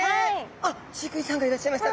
あっ飼育員さんがいらっしゃいました。